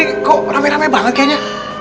ini ada apa nih kok rame rame banget kayaknya